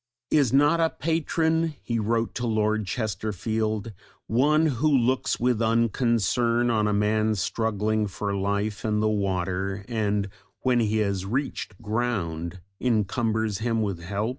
"Is not a patron," he wrote to Lord Chesterfield, "one who looks with unconcern on a man struggling for life in the water, and when he has reached ground encumbers him with help?"